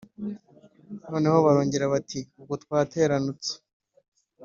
noneho barongera, bati: «ubwo twateranutse,